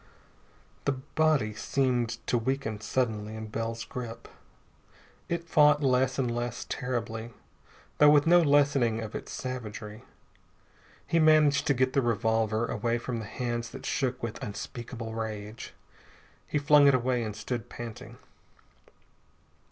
The body seemed to weaken suddenly in Bell's grip. It fought less and less terribly, though with no lessening of its savagery. He managed to get the revolver away from the hands that shook with unspeakable rage. He flung it away and stood panting.